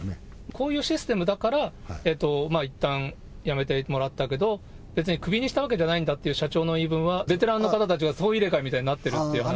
こういうシステムだから、いったん、辞めてもらったけど、別にクビにしたわけじゃないんだという言い分は、ベテランの方たちは総入れ替えみたいになってるっていう話。